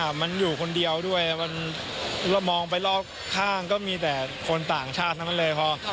ก็นิดนึงจะอยู่คนเดียวด้วยเรามองไปรอบข้างก็มีแต่คนต่างชาติใช่มั้ยครับ